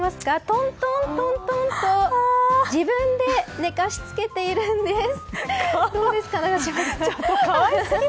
トントントントンと自分で寝かしつけているんです。